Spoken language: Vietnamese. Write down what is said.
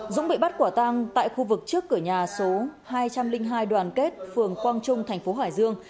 dũng bị bắt quả tang tại khu vực trước cửa nhà số hai trăm linh hai đoàn kết phường quang trung thành phố hải dương